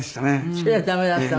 それは駄目だった。